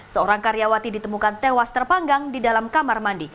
seorang karyawati ditemukan tewas terpanggang di dalam kamar mandi